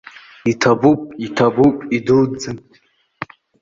Иҭабуп, иҭабуп идуӡӡан!